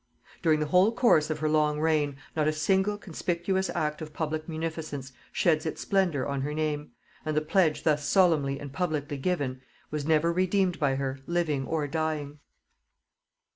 During the whole course of her long reign, not a single conspicuous act of public munificence sheds its splendor on her name, and the pledge thus solemnly and publicly given, was never redeemed by her, living or dying.